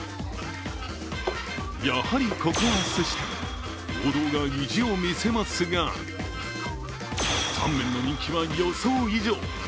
やはり、ここはすし店、王道が意地を見せますが、タンメンの人気は予想以上。